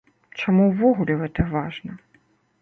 Чаму ўвогуле гэта важна?